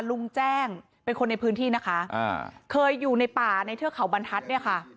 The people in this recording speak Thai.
ลุงแจ้งเป็นคนในพื้นที่นะคะเคยอยู่ในป่าในเทือกเขาบรรทัศน์เนี่ยค่ะ